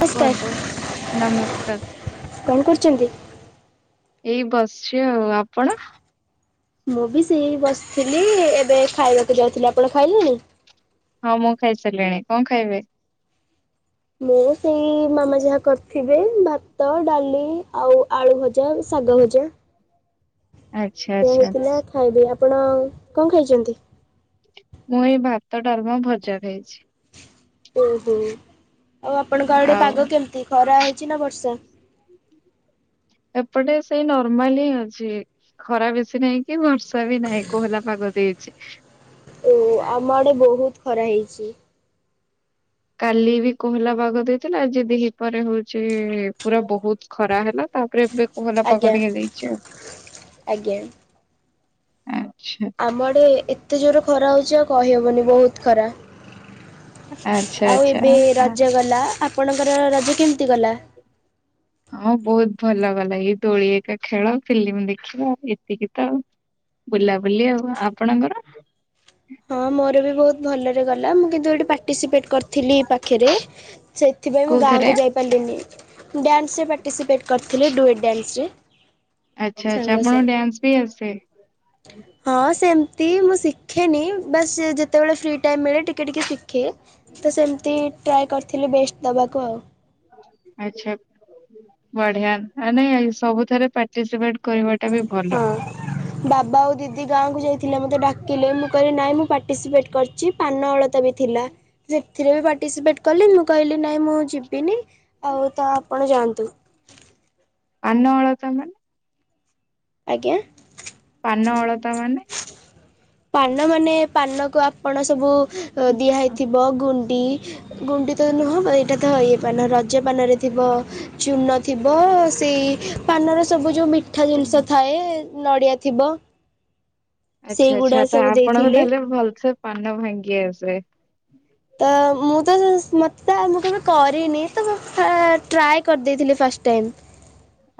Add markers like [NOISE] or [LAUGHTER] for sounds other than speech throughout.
ନମସ୍କାର କୁହନ୍ତୁ ନମସ୍କାର। କଣ କରୁଛନ୍ତି? ଏଇ ବସିଛି ଆଉ ଆପଣ? ମୁଁ ବି ସେଇ ବସିଥିଲି ଏବେ ଖାଇବାକୁ ଯାଉଥିଲି, ଆପଣ ଖାଇଲେଣି? ହଁ ମୁଁ ଖାଇସାରିଲିଣି କଣ ଖାଇବେ? ମୁଁ ସେଇ ମାମା ଯାହା କରିଥିବେ ବାପ ତ, ଡାଲି, ଆଉ ଆଳୁଭଜା, ଶାଗଭଜା ଆଚ୍ଛା ସେଆ ଆଚ୍ଛା ହେଇଥିଲା ଖାଇବି ଆପଣ କଣ ଖାଇଚନ୍ତି? ମୁଏଇ ଭାତ, ଡ଼ାଲମା, ଭଜା, ଖାଇଛି। ଓହୋ ଆଉ ଆପଣଙ୍କ ଆଡ଼େ ଆଉ ପାଗ କେମିତି, ଖରା, ହଉଚିନା ବର୍ଷା? ଏପଟେ ସେଇ ନର୍ମାଲହିଁ ଅଛି ଖରା ବେଶୀ ନାହିଁକି ବର୍ଷା ବି ନାଇଁ କୋହଲା ପାଗ ଦେଇଛି। ଓ ଆମ ଆଡ଼େ ବହୁତ୍ ଖରା ହେଇଚି। କାଲିବି କୋହଲା ପାଗ ଦେଇଥିଲା ଆଜି ଦିହିପରେ ହଉଚି ପୁରା ବହୁତ୍ ଖରା ହେଲା ତାପରେ ଏବେ ପୋହଲା ପାଗ ଆଜ୍ଞା ଟିକେ ଦେଇଚି ଆଉ ଆଜ୍ଞା। ଆଚ୍ଛା। ଆମଆଡ଼େ ଏତେ ଜୋର ଖରା ହଉଚି ଆଉ କହିହେବନି ବହୁତ୍ ଖରା। ଆଚ୍ଛା ଆଉ ଆଚ୍ଛା। ଏବେ ରଜ ଗଲା ଆପଣଙ୍କର ରଜ କେମିତି ଗଲା? ହଁ ବହୁତ୍ ଭଲଗଲା ଏଇ ଦୋଳିଏକା ଖେଳ ଫିଲ୍ମ ଦେଖିବା ଏତିକିତ। ବୁଲାବୁଲି ଆଉ ଆପଣଙ୍କର? ହଁ ମୋରବି ବହୁତ୍ ଭଲରେ ଗଲା ମୁଁ କି ନ୍ତୁ ପାର୍ଟିସିପେଟ କରିଥିଲି ପାଖରେ ସେଥିପାଇଁ ମୁଁ କୋଉଥିରେ ଗାଁକୁ ଯାଇ ପାରିଲିନି ଡ୍ୟାନ୍ସରେ ପାର୍ଟିସିପେଟ୍ କରିଥିଲି ଡୁଏଟ୍ ଡ୍ୟାନ୍ସରେ। ଆଚ୍ଛା ଆଚ୍ଛା ସାଙ୍ଗ ସହ। ଆପଣଙ୍କୁ ଡ୍ୟାନ୍ସବି ଆସେ? ହଁ ସେମତି ମୁଁ ଶିଖେନି ବାସ୍ ଯେତେବେଳେ ଫ୍ରି ଟାଇମ୍ ମିଳେ ଟିକେ ଟିକେ ଶିଖେ ତସେମିତି ଟ୍ରାଏ କରିଥିଲି ବେଷ୍ଟ ଦବାକୁ ଆଉ। ଆଚ୍ଛା ବଢ଼ିଆ ଆ ନାଇଁ ସବୁଥରେ ପାଟି ପାର୍ଟିସିପେଟ୍ କରିବାଟାବି ଭଲ। ହଁ ବାବା ଆଉ ଦିଦି ଗାଁକୁ ଯାଇଥିଲେ ମୋତେ ଡାକିଲେ ମୁଁ କହିଲି ନାଇଁ ମୁଁ ପାର୍ଟିସିପେଟ କରିଚି ପାନ ଅଳତାବି ଥିଲା। ସେଥିରେବି ପାର୍ଟିସିପେଟ୍ କଲି ମୁଁ କହିଲି ନାଇଁ ମୁଁ ଯିବିନି ଆଉତ ଆପଣ ଯାଆନ୍ତୁ। ପାନ ଅଳତା ମାନେ? ଆଜ୍ଞା। ପାନ ଅଳତା ମାନେ? ପାନ ମାନେ ପାନକୁ ଆପଣ ସବୁ ଦିଆ ହେଇଥିବ ଗୁଣ୍ଡି ଗୁଣ୍ଡିତ ନୁହଁ ଏଇଟାତ ଇଏ ପାନ ରଜପାନରେ ଥିବ ଚୂନ ଥିବ ସେଇ ପାନରେ ସବୁ ଯୋଉ ମିଠା ଜିନିଷ ଥାଏ ନଡ଼ିଆ ଥିବ। ଆଚ୍ଛା ସେଇଗୁଡ଼ା ଆଚ୍ଛା ସବୁ ତଆପଣଙ୍କୁ ଦେଇଥିଲେ ତାହେଲେ ଭଲସେ ପାନ ଭାଙ୍ଗି ଆସେ। ତ, ମୁତ ମତେତ ମୁକେବେ କରିନି ତମୁ ଫ୍ରା ଟ୍ରାଏ କରିଦେଇଥିଲି ଫାଷ୍ଟ ଟାଇମ୍।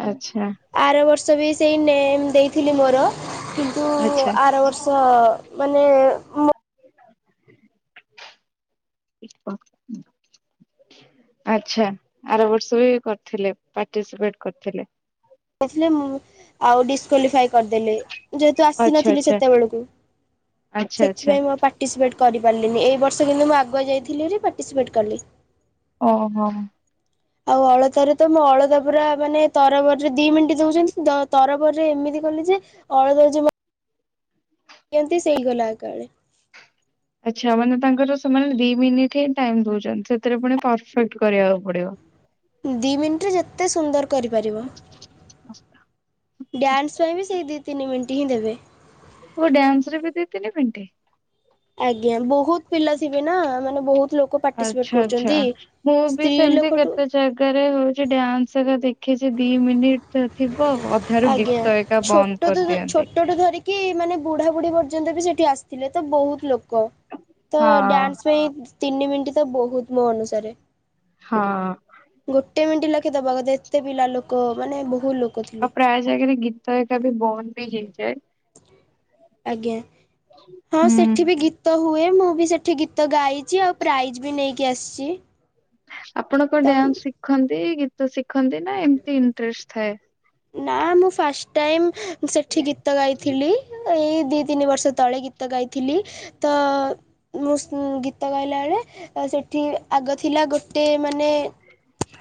ଆଚ୍ଛା। ଆର ବର୍ଷବି ସେଇ ନେମ୍ ଦେଇଥିଲି ମୋର କିନ୍ତୁ ଆଚ୍ଛା ଆର ବର୍ଷ ମାନେ ମୁଁ [INAUDIBLE] ଆଚ୍ଛା ଆର ବର୍ଷବି କରିଥିଲେ ପାର୍ଟିସିପେଟ କରିଥିଲେ। ଯାଇଥିଲି ମୁଁ ଆଉ ଡିସକ୍ଵାଲିଫାଇ କରିଦେଲେ। ଯେହେତୁ ଆଚ୍ଛା ଆସିନଥିଲି ଆଚ୍ଛା ସେତେବେଳକୁ ଆଚ୍ଛା ଆଚ୍ଛା ସେଥିପାଇଁ ମୋ ପା ପାର୍ଟିସିପେଟ୍ କରିପାରିଲିନି ଏଇବର୍ଷ କିନ୍ତୁ ମୁଁ ଆଗୁଆ ଯାଇଥିଲିହେରି ପାର୍ଟିସିପେଟ୍ କଲି। ଓହୋ। ଆଉ ଅଳତାରେତ ମୁଅଳତା ପୁରା ମାନେ ତରବରରେ ଦିମିନିଟ୍ ଦଉଚନ୍ତି ତରବରରେ ଏମିତି କଲି ଯେ ଅଳତାରେ ଯେ ମୋ କେମିତି ସେଇଗଲା ଏକାଳେ। ଆଚ୍ଛା ମାନେ ତାଙ୍କର ସେମାନେ ଦିମିନିଟ୍ ହିଁ ଟାଇମ୍ ଦଉଚନ୍ତି ସେଥିରେ ପୁଣି ପରଫେକ୍ଟ କରିବାକୁ ପଡ଼ିବ। [INAUDIBLE] ଦି ମିଣ୍ଟି ରେ ଯେତେ ସୁନ୍ଦର କରିପାରିବ ମସ୍ତ ଡ୍ୟାନ୍ସ ପୋଷାକ। ପାଇଁ ବି ସେଇ ଦି ତିନି ମିଣ୍ଟି ହିଁ ଦେବେ। ଓଃ ଡ୍ୟାନ୍ସ ରେ ବି ଦି ତିନି ମିଣ୍ଟି। ଆଜ୍ଞା ବହୁତ ପିଲା ଥିବେ ନା ମାନେ ବହୁତ ଲୋକ ଆଚ୍ଛା ପାର୍ଟିସିପେଟ ଆଚ୍ଛା କରୁଛନ୍ତି ମୁଁ ବି ସ୍ତ୍ରୀ ସେମିତି ଲୋକଠୁ କେତେ ଜାଗାରେ ହଉଚି ଡ୍ୟାନ୍ସ ରେ ଦେଖିଚି ଦି ମିନିଟ୍ ଭିତରେ ଥିବ ଅ ଠାରୁ ଆଜ୍ଞା। ଗୀତ ଏକା ଛୋଟ ବନ୍ଦ ଠୁ କରିଦିଅନ୍ତି। ଛୋଟଠୁ ଧରିକି ମାନେ ବୁଢ଼ାବୁଢ଼ୀ ପର୍ଯ୍ୟନ୍ତ ବି ସେଠି ଆସିଥିଲେ ତ ବହୁତ ଲୋକ କ ତ ହଁ ଡ୍ୟାନ୍ସ ପାଇଁ ତିନି ମିନିଟ ତ ବହୁତ ମୋ ଅନୁସାରେ। ହଁ। ଗୋଟେ ମିଣ୍ଟି ଲାଖେ ଦବା କଥା ଏତେ ପିଲା ଲୋକ ମାନେ ବହୁ ଲୋ ଆଉ ପ୍ରାୟ ଜାଗାରେ ଗୀତ ଏକା ବି ବନ୍ଦ ବି ହେଇଯାଏ। ଆଜ୍ଞା ହଁ ହୁଁ। ସେଠି ବି ଗୀତ ହୁଏ ମୁଁ ବି ସେଠି ଗୀତ ତ ଗାଇଚି ଆଉ ପ୍ରାଇଜ୍ ବି ନେଇକି ଆସିଚି। ଆପଣ କଣ ଡ୍ୟାନ୍ସ ଶିଖନ୍ତି ଗୀତ ଶିଖନ୍ତି ନା ଏମିତି ଇଣ୍ଟରେଷ୍ଟ ଥାଏ। ନା ମୁଁ ଫାଷ୍ଟ ଟାଇମ ସେଠି ଗୀତ ଗାଇଥିଲି। ଏଇ ଦି ତିନି ବର୍ଷ ତଳେ ଗୀତ ଗାଇଥିଲି ତ ମୁଁ ସୁ ଗୀତ ଗାଇଲା ବେଳେ ସେଠି ଆଗ ଥିଲା ଗୋଟେ ମାନେ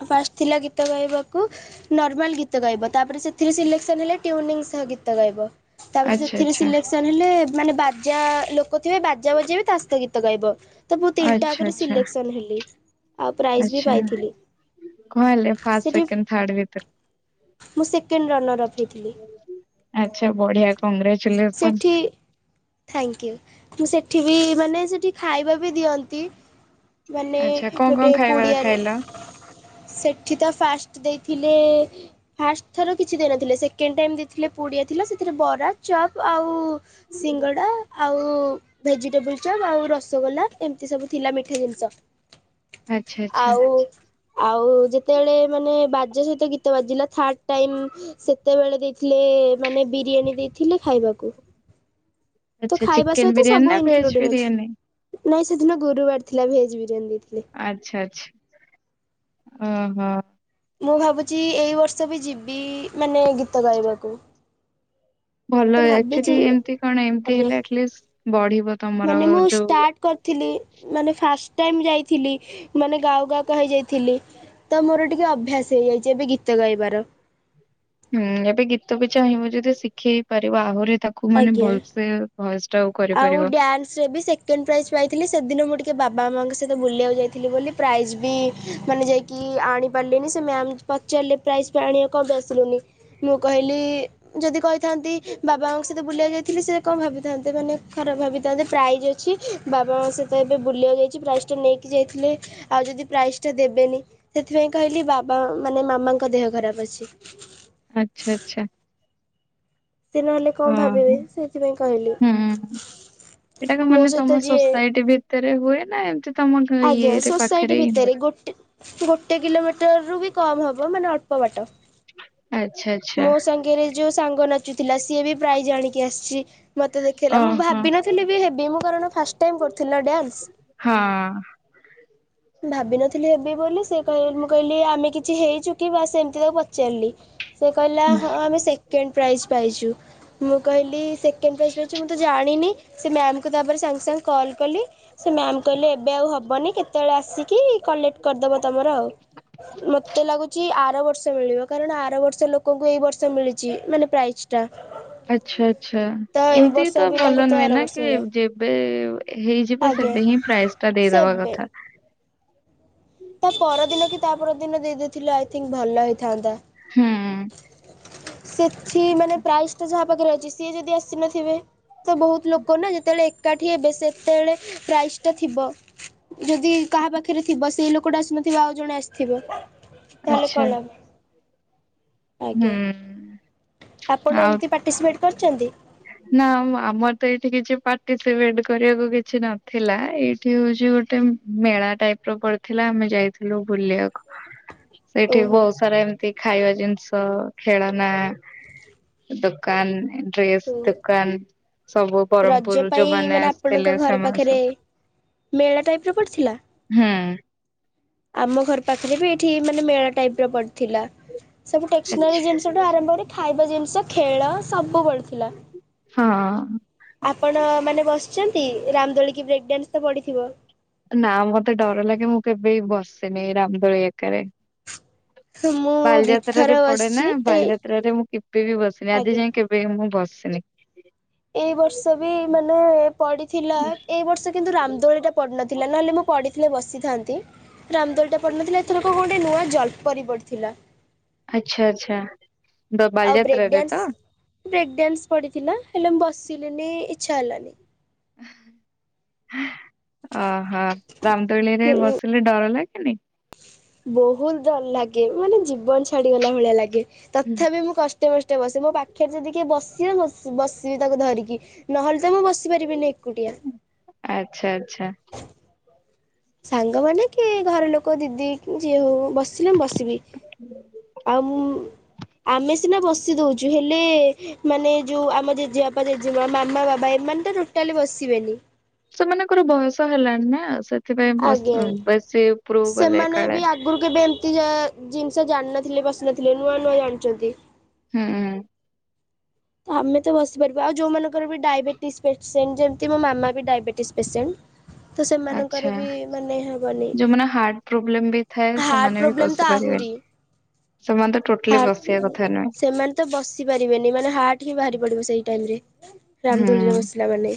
ଫାଷ୍ଟ ଥିଲା ଗୀତ ଗାଇବାକୁ ନର୍ମାଲ ଗୀତ ଗାଇବା ତାପରେ ସେଥିରେ ସିଲେକସନ ହେଲେ ଟିଉନିଙ୍ଗ ସହ ଗୀତ ଗାଇବ ତାପରେ ଆଚ୍ଛା ସେଥିରେ ଆଚ୍ଛା ସିଲେକ୍ସ ଚାଲିଲେ ମାନେ ବାଜା ଲୋକ ଥିବେ ବାଜା ବଜେଇବେ ତା ସହିତ ଗୀତ ଗାଇବ। ତ ମୁଁ ତିନିଟା ଆଚ୍ଛା ଆକରେ ଆଚ୍ଛା ସିଲେକ୍ସନ ହେଲି। ଆଉ ପ୍ରାଇଜ୍ ବି ଆଚ୍ଛା ପାଇଥିଲି କଂ ହେଲେ ଫାଷ୍ଟ ସେଠି ସେକଣ୍ଡ ଥାର୍ଡ ଭିତରୁ। ମୁଁ ସେକେଣ୍ଡ ରନର୍ ଅପ୍ ହେଇଥିଲି ଆଚ୍ଛା ବଢିଆ କଂଗ୍ରେଚୁଲେସନସ୍। ଥ୍ୟାଙ୍କୟୁ ମୁଁ ସେଠି ବି ମାନେ ସେଠି ଖାଇବା ବି ଦିଅନ୍ତି। ମାନେ ଆଚ୍ଛା କଣ କଣ ଗୋଟେ ଖାଇବା ପୁଡ଼ିଆରେ ଖାଇଲ? ସେଠି ତ ଫାଷ୍ଟ ଦେଇଥିଲେ ଫାଷ୍ଟ ଥର କିଛି ଦେଇନଥିଲେ ସେକେଣ୍ଡ ଟାଇମ୍ ଦେଇଥିଲେ ପୁଡିଆ ଥିଲା ସେଥିରେ ବରା ଚପ୍ ଆଉ ସିଙ୍ଗଡ଼ା ଆଉ ଭେଜିଟେବୁଲ ଚପ୍ ଆଉ ରସଗୋଲା ଏମିତି ସବୁ ଥିଲା ମିଠା ଜିନିଷ। ଆଚ୍ଛା ଆଚ୍ଛା ଆଉ ଆଉ ଯେତେଳେ ମାନେ ବାଜେ ସହିତ ଗୀତ ବାଜିଲା ଥାର୍ଡ ଟାଇମ୍ ସେତେବେଳେ ଦେଇଥିଲେ ମାନେ ବିରିୟାନୀ ଦେଇଥିଲେ ଖାଇବାକୁ। ତ ଆଚ୍ଛା ଖାଇବା ଚିକେନ ସହିତ ବିରିୟାନୀ ସବୁ ନା ଭେଜ ଇନକ୍ଲୁଡ଼ିଂ ବିରିୟାନୀ? ଅଛି। ନାଇଁ ସେଦିନ ଗୁରୁବାର ଥିଲା ଭେଜ୍ ବିରିୟାନୀ ଦେଇଥିଲେ। ଆଚ୍ଛା ଆଚ୍ଛା। ଓ ହଁ। ମୁଁ ଭାବୁଚି ଏଇ ବର୍ଷ ବି ଯିବି ମାନେ ଗୀତ ଗାଇବାକୁ। ଭଲ ତ ଆଚୁଆଲି ଭାବିଛି ଏମିତି କଣ ଏମତି ଆଜ୍ଞା ହେଲେ ଆଟଲିଷ୍ଟ ବଢିବ ତମର ମାନେ ମୁଁ ଯୋଉ ଷ୍ଟାର୍ଟ କରିଥିଲି ମାନେ ଫାଷ୍ଟ ଟାଇମ୍ ଯାଇଥିଲି ମାନେ ଗାଉ ଗାଉ କା ହେଇ ଯାଇଥିଲି। ତ ମୋର ଟିକେ ଅଭ୍ୟାସ ହେଇଯାଇଛି ଏବେ ଗୀତ ଗାଇବାର। ହୁଁ ଏବେ ଗୀତ ବି ଚାହିଁବ ଯଦି ଶିଖେଇ ପାରିବ ଆହୁରି ତାକୁ ମାନେ ଆଜ୍ଞା। ଭଲସେ ଭଏ ଷ୍ଟଉ କ ଆଉ ଡ୍ୟାନ୍ସ ରେ ବି ସେ କେଣ୍ଡ ପ୍ରାଇଜ୍ ପାଇଥିଲି ସେଦିନ ମୁଁ ଟିକେ ବାବା ମାଆଙ୍କ ସହିତ ବୁଲିବାକୁ ଯାଇଥିଲି ବୋଲି ପ୍ରାଇଜ୍ ବି ମାନେ ଯାଇ କି ଆଣି ପାରଲିନି ସେ ମ୍ୟାାମ୍ ପଚାରିଲେ ପ୍ରାଇଜ୍ ତୁ ଆଣିବା କଣ ପାଇଁ ଆସିଲୁନି। ମୁଁ କହିଲି ଯଦି କହିଥାନ୍ତି ବାବା ମାମାଙ୍କ ସହିତ ବୁଲିବାକୁ ଯାଇଥିଲି ସେ କଣ ଭାବିଥାନ୍ତେ, ମାନେ ଖରାପ ଭାବିଥାନ୍ତେ ପ୍ରାଇଜ୍ ଅଛି ବାବା ମାଙ୍କ ସହିତ ଏବେ ବୁଲିବାକୁ ଯାଇଛି ପ୍ରାଇଜ୍ ଟା ନେଇକି ଯାଇଥିଲେ ଆଉ ଯଦି ପ୍ରାଇଜ୍ ଟା ଦେବେନି ସେଥିପାଇଁ କହିଲି ବାବା ମାନେ ମାମାଙ୍କ ଦେହ ଖରାପ ଅଛି। ଆଚ୍ଛା, ଆଚ୍ଛା। ସେ ନହେଲେ କଣ ଓହୋ ଭାବିବେ ହୁଁ। ସେଥିପାଇଁ କହିଲି। ଏଟାକୁ ମୋ ମାନେ ସହିତ ତୋମ ଯିଏ ସୋସାଇଟି ଭିତରେ ହୁଏ ନା ଏମତି ତୋମ ଘ-ଇଏରେ ପାଖରେ ହିଁ ହୁଏ? ଗୋଟି ଗୋଟେ କିଲୋମିଟରରୁୁ ବି କମ୍ ହବ ମାନେ ଅଳ୍ପ ବାଟ। ଆଚ୍ଛା। ଆଚ୍ଛା ମୋ ସାଙ୍ଗରେ ଯୋଉ ସାଙ୍ଗ ନାଚୁଥିଲା ସିଏ ବି ପ୍ରାଇଜ୍ ଆଣିକି ଆସିଛି, ମୋତେ ଦେ ଖେଇଲା ମୁଁ ଓହୋ ଭାବିନଥିଲି ବି ହେବି ମୁଁ କାରଣ ଫାଷ୍ଟ ଟାଇମ୍ କରିଥିଲି ନା ଡ୍ୟାନ୍ସ। ହଁ ଭାବିନଥିଲି ହେବି ବୋଲି ସେ କହି ମୁଁ କହିଲି ଆମେ କିଛି ହେଇଛୁ କି ବାସ୍ ସେମତି ତାକୁ ପଚାରିଲି। ସେ କହିଲା ହଁ ଆମେ ସେକେଣ୍ଡ ପ୍ରାଇଜ୍ ପାଇଛୁ, ମୁଁ କହିଲି ସେ କେଣ୍ଡ ପ୍ରାଇଜ୍ ପାଇଛୁ ମୁଁ ତ ଜାଣିନି, ସେ ମ୍ୟାମ୍ ତାପରେ ସାଙ୍ଗେ ସାଙ୍ଗେ କଲ୍ କଲି ସେ ମ୍ୟାାମ୍ କହିଲେ ଏବେ ଆଉ ହବନି କେତେବେଳେ ଆସିକି କଲେକ୍ଟ କରିଦବ ତୋମର ଆଉ। ମୋତେ ଲାଗୁଚି ଆର ବର୍ଷ ମିଳିବ, କାରଣ ଆର ବର୍ଷ ସେ ଲୋକଙ୍କୁ ଏଇ ବର୍ଷ ମିଳିଚି ମାନେ ପ୍ରାଇଜ୍। ଆଚ୍ଛା, ଆଚ୍ଛା। ଏଇ ଏମିତି ବର୍ଷ ତ ପିଲାଙ୍କୁ ଭଲ ନୁହେଁ ଆର ନା ବର୍ଷ କି ମିଳେ ଯେବେ ହେଇଯିବ ଆଜ୍ଞା ସେବେ ହିଁ ପ୍ରାଇଜ୍ ଟା ଦେଇଦବା ସେବେ କଥା। ତା ପରଦିନ କି ତା ପରଦିନ ଦେଇଦେଇଥିଲ ଆଇଥିଙ୍ଗ୍ ଭଲ ହେଇଥାନ୍ତା। ହଁ। ସେଠି ମାନେ ପ୍ରାଇଜ୍ ଟା ଯାହା ପାଖରେ ଅଛି ସିଏ ଯଦି ଆସିନଥିବେ। ତ ବହୁତ ଲୋକ ନା ଯେତେବେଳେ ଏକାଠି ହେବେ ସେତେବେଳେ ପ୍ରାଇଜ୍ ତ ଥିବ ଯଦି କାହା ପାଖରେ ଥିବ ସେଇ ଲୋକଟା ଆସିନଥିବ ଆଉ ଜଣେ ଆସ ଥିବ, ତାହେଲେ ଆଚ୍ଛା କଣ ଲାଭ? ହୁଁ। ଆଜ୍ଞା ଆପଣ ଆଉ ଏମତି ପାର୍ଟିସିପେଟ୍ କରିଚନ୍ତି? ନା ଆମ ଆମର ତ ଏଇଠି କିଛି ପାର୍ଟିସିପେଟ୍ କରିବାକୁ କିଛି ନଥିଲା ଏଇଠି ହଉଛି ଗୋଟେ ଉଁ, ମେଳା ଟାଇପ୍ ର ପଡିଥିଲା ଆମେ ଯାଇଥିଲୁ ବୁଲିବାକୁ। ସେଇଠି ବହୁତ ଓହୋ। ସାରା ଏମ ତି ଖାଇବା ଜିନିଷ, ଖେଳନା ଦୋକାନ ଡ୍ରେ ସ୍ ଦୋକାନ ସବୁ ବରହ୍ମପୁର ରଜ ରୁ ପାଇଁ ଯୋଉମାନେ ମାନେ ଆପଣଙ୍କ ଆସିଥିଲେ ଘର ସେମାନେ ପାଖରେ ସବ ମେଳା ଟାଇପ୍ ର ପଡ଼ିଥିଲା? ହୁଁ। ଆମ ଘର ପାଖରେ ବି ଏଠି ଏ ମାନେ ମେଳା ଟାଇପ୍ ର ପଡିଥିଲା। ସବୁ ଆଚ୍ଛା ଟେକ୍ସନାରୀ ଜିନିଷ ଷ ଠୁ ଆରମ୍ଭ କରି ଖାଇବା ଜିନିଷ ଖେଳ ସବୁ ପଡ଼ିଥିଲା। ହଁ। ଆପଣ ମାନେ ବସିଛନ୍ତି ରାମଦୋଳି କି ବ୍ରେକ୍ ଡ୍ୟାନ୍ସ ତ ପଡ଼ିଥିବ? ନା ମୋତେ ଡର ଲାଗେ ମୁଁ କେବେବି ବସେନି ରାମଦୋଳି ଏକାରେ। ମୁଁ ଦିଥର ବାଲିଯାତ୍ରାରେ ପଡେ ନା ବସିଛି ଏଇ ବାଲିଯାତ୍ରାରେ ମୁଁ କେବେ ବି ବସିନି ଆଜି ଆଜ୍ଞା। ଯାଏ କେବ ବେ ମୁଁ ବସିନି। ଏଇ ବର୍ଷ ବି ମାନେ ପଡ଼ିଥିଲା ଏ ବର୍ଷ କିନ୍ତୁ ରାମଦୋଳିଟା ପଡ଼ିନଥିଲା ନହେଲେ ମୁଁ ପଡ଼ିଥିଲେ ବସିଥାନ୍ତି। ରାମଦୋଳି ଟା ପଡ଼ିନଥିଲା ଏଥର ଗୋଟେ ନୂଆ ଜଲ୍ ପରି ପଡିଥିଲା। ଆଚ୍ଛା ଆଚ୍ଛା। ଦ ଆଉ ବ୍ରେକ୍ ବାଲିଯାତ୍ରାରେ ତ ଡ୍ୟାନ୍ସ ବ୍ରେକ୍ ଡ୍ୟାନ୍ସ ପଡ଼ିଥିଲା ହେଲେ ମୁଁ ବସିଲିନି ଇଚ୍ଛା ହେଲାନି। ଓହୋ ରାମଦୋଳି ରେ ବସିଲେ ଡର ଲାଗେନି? ବହୁତ ଡର ଲାଗେ ମାନେ ଜୀବନ ଛାଡିଗଲା ଭଳିଆ ଲାଗେ ହୁଁ। ତଥାପି ମୁଁ କଷ୍ କଷ୍ଟ ମଷ୍ଟେ ବସେ ମୋ ପାଖରେ ଯଦି କିଏ ବସିବ ବସ୍ ବସିବି ତାକୁ ଧରିକି ନହେଲେ ତ ମୁଁ ବସି ପାରିବିନି ଏକୁଟିଆ। ଆଚ୍ଛା ଆଚ୍ଛା। ସାଙ୍ଗମାନେ କି ଘର ଲୋକ ଦିଦି କି ଯିଏ ହଉ। ବସିଲେ ମୁଁ ବସିବି ଆଉ ମୁଁ ଆମେ ସିନା ବସ ବସି ଦଉଛୁ ହେଲେ ମାନେ ଯୋଉ ଆମ ଜେଜେବାପା ଜେଜେମା ମାମା ବାବା ଏମାନେ ତ ଟୋଟାଲି ବସିବେନି। ସେମାନଙ୍କର ବୟସ ହେଲାଣି ନା ସେଥିପାଇଁ ବସ୍ ଆଜ୍ଞା ବେଶୀ ଉପରୁ ଗଲେ ସେମାନେ କାଳେ ବି ଆଗରୁ କେବେ ଏମିତି ଯେ ଜିନିଷ ଜାଣିନଥିଲି ବସି ନଥିଲି ନୂଆ ନୂଆ ଜାଣିଛନ୍ତି। ହୁଁ। ତ ଆମେ ତ ବସି ପାରିବା ଆଉ ଯୋଉ ମାନଙ୍କର ବି ଡାଇବେଟିସ ପେସେଣ୍ଟ ଯେମିତି ମୋ ମାମା ବି ଡାଇବେଟିସ୍ ପେସେଣ୍ଟ। ତ ଆଚ୍ଛା ସେମାନଙ୍କର ବି ମାନେ ହବନି ଯୋଉମାନେ ହାର୍ଟ ପ୍ରୋବ୍ଲେମ ବି ଥାଏ ହାର୍ଟ ସେମାନେ ବି ପ୍ରବ୍ଲେମ୍ ବସି ତ ପାରିବେନି। ଆହୁରି ସେମାନେ ତ ଟୋଟାଲି ବସିବା ହାର୍ଡ କଥା ନୁହେଁ ସେମାନେ ତ ବସି ପାରିବେନି ହାର୍ଟ ଉଠିକି ବାହାରି ପଡିବ ସେଇ ଟାଇମ ରେ ରାମଦୋଳି ରେ ହୁଁ ବସିଲା ମାନେ।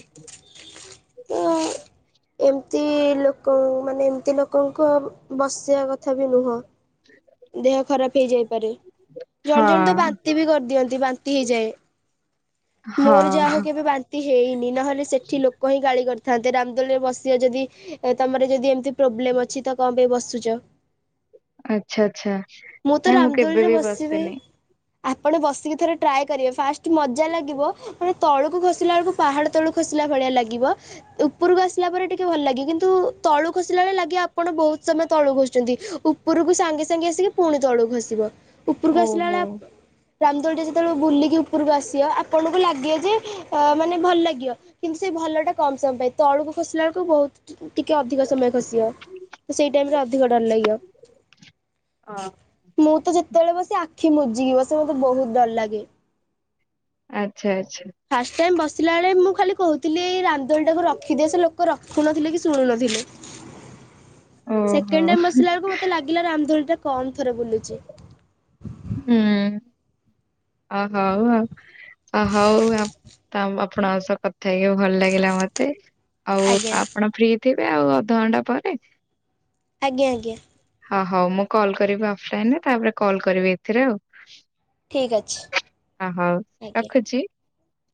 ତ [INAUDIBLE] ଏମିତି ଲୋକ ମାନେ ଏମିତି ଲୋକଙ୍କ ବସିବା କଥା ବି ନୁହଁ। ଠ [INAUDIBLE] ଦେହ ଖରାପ ହେଇଯାଇପାରେ ଜଣେ ଜଣେ ତ ହଁ। ବାନ୍ତି ବି କରିଦିଅନ୍ତି ବାନ୍ତି ହେଇଯାଏ। ମୋର ଯାହା ହଉ ହଁ କେବେ ବାନ୍ତି ହେଇନି ନହେଲେ ସେଠି ଲୋକ ହିଁ ଗାଳି କରିଥାନ୍ତେ ରାମଦୋଲରେ ବସିବ ଯଦି ତମର ଯଦି ଏମିତି ପ୍ରୋବ୍ଲେମ ଅଛି ତ କଣ ପାଇଁ ବସୁଛ? ଆଚ୍ଛା ଆଚ୍ଛା ତ ନାଇଁ ମୁଁ କେବେ ରାମଦୋଳିରେ ବି ବସିବି ବସିନି। ଆପଣ ବସିକି ଥରେ ଟ୍ରାଏ କରିବେ ଫାଷ୍ଟ ମଜା ଲାଗ ଲାଗିବ ମାନେ ତଳକୁ ଖସିଲା ବେଳକୁ ପାହାଡ ତଳକୁ ଖସିଲା ଭଳିଆ ଲାଗିବ ଉପରକୁ ଆସିଲା ପରେ ଟିକେ ଭଲ ଲାଗେ କିନ୍ତୁ ତଳୁ ଖସିଲା ବେଳେ ଲାଗେ ଆପଣ ବହୁତ ସମୟ ତଳୁ ଖସୁଛନ୍ତି ଉପ ଉପୁରୁ କୁ ସାଙ୍ଗେ ସାଙ୍ଗେ ଆସିକି ପୁଣି ତଳକୁ ଖସିବ। ଉପରକୁ ଆସିଲା ବେଳେ ଓହୋ। ଆପ ରାମଦୋଳି ଟା ଯେତେବେଳେ ବୁଲିକି ଉପରକୁ ଆସିବ ଆପ୍ ଆପଣଙ୍କୁ ଲାଗିବ ଯେ ଅ ମାନେ ଭଲ ଲାଗିବ। କିନ୍ତୁ ସେଇ ଭଲ ଟା କମ ସମୟ ପାଇଁ ତଳୁକୁ ଖସିଲା ବେଳକୁ ବହୁତ ଟିକେ ଅଧିକ ସମୟ ଖସିବ ତ ସେଇ ଟାଇମରେ ଅଧିକ ଡର ଲାଗିବ। ଅ ମୁଁ ତ ଯେତେବେଳେ ବସେ ଆଖି ବୁଜିକି ବସେ ମତେ ବହୁତ ଡର ଲାଗେ। ଆଚ୍ଛା ଆଚ୍ଛା। ଫାଷ୍ଟ ଟାଇମ ବସିଲା ବେଳେ ମୁଁ ଖାଲି କହୁଥିଲି ଏଇ ରାମ ଦୋଳି ଟାକୁ ରଖିଦିଅ ସେ ଲୋକ ରଖୁନଥିଲେ କି ଶୁଣୁ ନଥିଲେ। ଓହୋ ସେକେଣ୍ଡ ଟାଇମ ବସିଲା ବେଳକୁ ମତେ ଲାଗିଲା ରାମ ଦୋଳିଟା କମ ଥରେ ବୁଲୁଛି। ହୁଁ ଅ ହଉ ଆଉ। ଅହଉ ଆପ ତ ଆପଣଙ୍କ ସହ କଥା ହେଇକି ଭଲ ଲାଗିଲା ମତେ। ଆଉ ଆଜ୍ଞା ଆପଣ ଫ୍ରି ଥିବେ ଆଉ ଅଧଘଣ୍ଟା ପରେ? ଆଜ୍ଞା ଆଜ୍ଞା। ହଁ ହଉ ମୁଁ କଲ୍ କରିବି ଅଫଲାଇନରେ ତାପରେ କଲ୍ କରିବି ଏଥିରେ ଆଉ। ଠିକ୍ ଅଛି ହଉ ଆଜ୍ଞା ରଖୁଛି।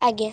ଆଜ୍ଞା।